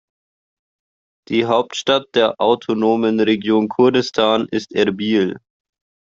Die Hauptstadt der autonomen Region Kurdistan ist Erbil.